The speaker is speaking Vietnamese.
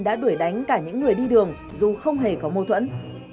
đã đuổi đánh cả những người đi đường dù không hề có mâu thuẫn